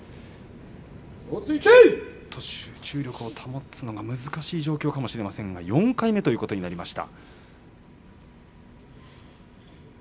集中力を保つのが難しい状況かもしれませんが４回目ということになりました。